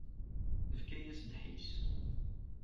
Nefka-yas ddḥis.